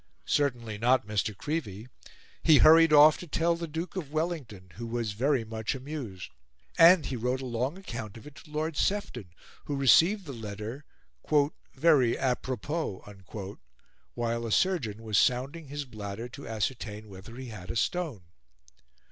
Certainly not Mr. Creevey. He hurried off to tell the Duke of Wellington, who was very much amused, and he wrote a long account of it to Lord Sefton, who received the letter "very apropos," while a surgeon was sounding his bladder to ascertain whether he had a stone.